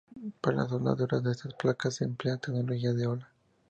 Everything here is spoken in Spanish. Para la soldadura de estas placas se emplea tecnología de ola.